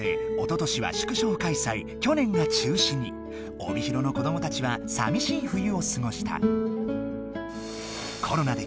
帯広の子どもたちはさみしい冬をすごした。